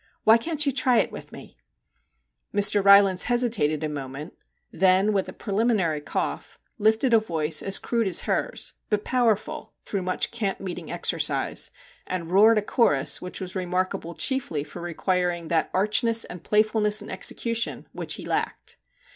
Why can't you try it with me ?' Mr. Rylands hesitated a moment, then with a preliminary cough, lifted a voice as crude as hers, but powerful through much camp meeting exercise, and roared a chorus which was re markable chiefly for requiring that archness and playfulness in execution which he lacked.